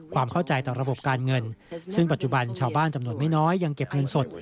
ความเข้าใจต่อระบบการเงินซึ่งปัจจุบันชาวบ้านจำนวนไม่น้อยยังเก็บเงินสด